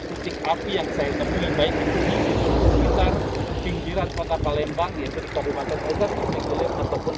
titik api yang saya temukan yang baik itu di sekitar pinggiran kota palembang